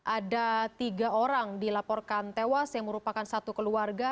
ada tiga orang dilaporkan tewas yang merupakan satu keluarga